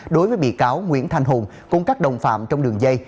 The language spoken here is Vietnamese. đối với bị cáo nguyễn thanh hùng cùng các đồng phạm trong đường dây